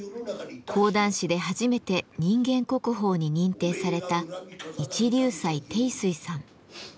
講談師で初めて人間国宝に認定された一龍斎貞水さん。